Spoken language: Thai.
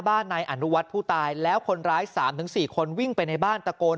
นายอนุวัฒน์ผู้ตายแล้วคนร้าย๓๔คนวิ่งไปในบ้านตะโกน